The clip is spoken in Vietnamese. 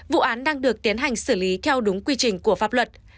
vụ án đang được tiến hành xử lý theo đúng quy trình của pháp luật